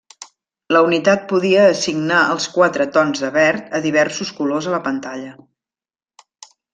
La unitat podia assignar els quatre tons de verd a diversos colors a la pantalla.